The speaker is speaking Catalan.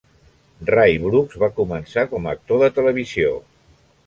Ray Brooks va començar com a actor de televisió.